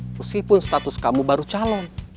meskipun status kamu baru calon